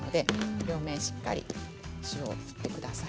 両面しっかり塩をしてください。